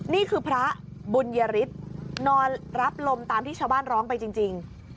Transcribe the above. นี่คือพระบุญยฤทธิ์นอนรับลมตามที่ชาวบ้านร้องไปจริง